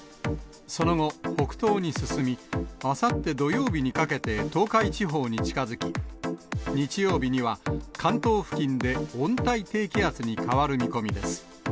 その後、北東に進み、あさって土曜日にかけて東海地方に近づき、日曜日には関東付近で温帯低気圧に変わる見込みです。